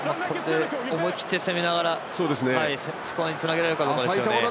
思い切って攻めながらスコアにつなげられるか。